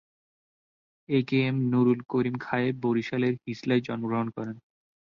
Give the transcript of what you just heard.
এ K M Nurul Karim Khayer বরিশালের হিজলায় জন্মগ্রহণ করেন।